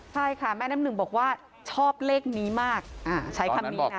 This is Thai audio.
ใช่ค่ะแม่น้ำหนึ่งบอกว่าชอบเลขนี้มากใช้คำนี้นะ